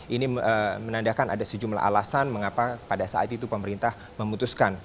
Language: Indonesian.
ini menandakan ada sejumlah alasan mengapa pada saat itu pemerintah memutuskan